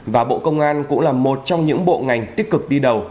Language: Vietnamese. và bộ công an cũng là một trong những bộ ngành tích cực đi đầu